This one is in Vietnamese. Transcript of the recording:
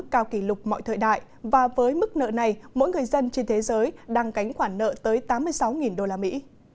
cao kỷ lục mọi thời đại và với mức nợ này mỗi người dân trên thế giới đang gánh khoản nợ tới tám mươi sáu đô la mỹ